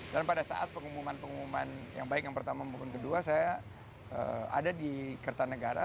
dan pada saat pengumuman pengumuman yang baik yang pertama mungkin kedua saya ada di kertanegara